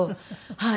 はい。